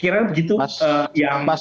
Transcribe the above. kira begitu yang kita